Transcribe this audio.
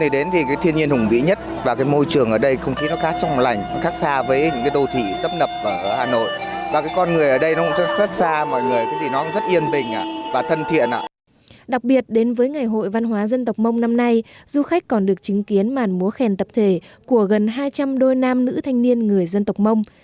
đặc biệt đến với ngày hội văn hóa dân tộc mông năm nay du khách còn được chứng kiến màn múa khen tập thể của gần hai trăm linh đôi nam nữ thanh niên người dân tộc mông